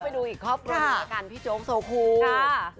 ไปดูอีกครอบครัวหนึ่งแล้วกันพี่โจ๊กโซคู